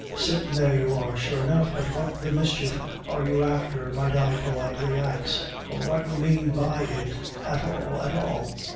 Sittin' there you are, sure enough, but what the mischief are you after, might I politely ax ? or what you mane by it, at all at all